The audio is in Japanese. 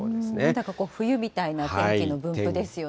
なんかこう冬みたいな天気の分布ですよね。